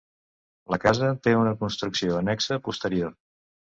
La casa té una construcció annexa posterior.